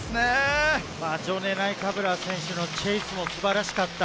ジョネ・ナイカブラ選手のチェイスも素晴らしかった。